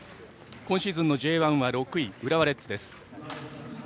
今シーズンのＪ１は６位浦和レッズです。